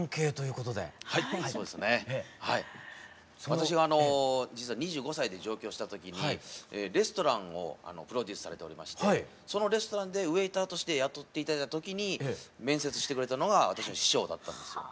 私があの実は２５歳で上京した時にレストランをプロデュースされておりましてそのレストランでウエイターとして雇っていただいた時に面接してくれたのが私の師匠だったんですよ。